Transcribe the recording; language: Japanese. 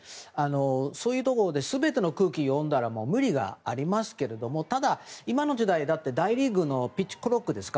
そういうところで全ての空気を読んだら無理がありますけどもただ、今の時代は大リーグのピッチクロックですか。